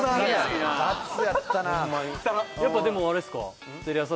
やっぱでもあれっすか？